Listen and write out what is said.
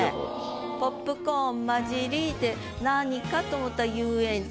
「ポップコーンまじり」で何かと思ったら「遊園地」